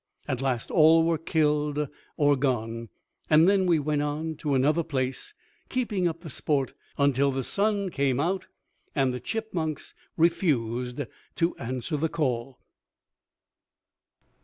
At last all were killed or gone, and then we went on to another place, keeping up the sport until the sun came out and the chipmunks refused to answer the call.